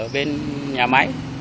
bên nhà máy